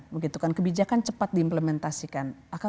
begitu kan kebijakan cepat diimplementasikan